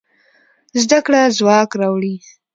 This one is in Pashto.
زده کړه ځواک راوړي.